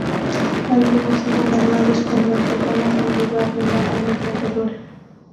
Algunos iban armados con lanzallamas en lugar de la ametralladora.